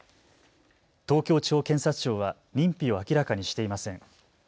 東京地方検察庁は認否を明らかにしていません。